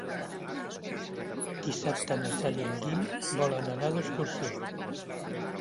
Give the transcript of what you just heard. Dissabte na Cel i en Guim volen anar d'excursió.